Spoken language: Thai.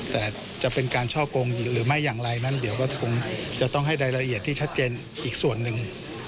แต่จะเป็นการช่อกงหรือไม่อย่างไรนั้นเดี๋ยวก็คงจะต้องให้รายละเอียดที่ชัดเจนอีกส่วนหนึ่ง